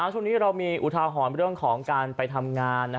ช่วงนี้เรามีอุทาหรณ์เรื่องของการไปทำงาน